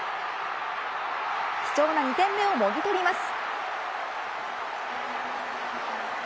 貴重な２点目をもぎ取ります。